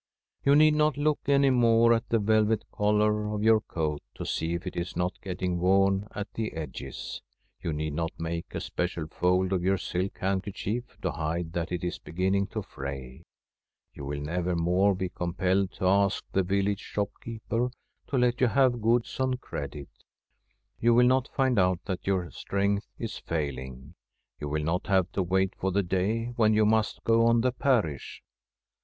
You need not look any more at the velvet collar of your coat to see if it is not getting worn at the edges ; you need not make a special fold of your silk hand kerchief to hide that it is beginning to fray ; you will never more be compelled to ask the village ( 344 1 Tbi BROTHERS shopkeeper to let you have goods on credit ; you will not find out that your strength is failing ; you will not have to wait for the day when you must go on the parish.